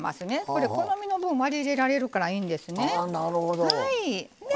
これ好みの分割り入れられるからいいんですね。